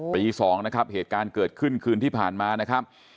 ปี๒นะครับเหตุการณ์เกิดขึ้นคืนที่ผ่านมานะครับ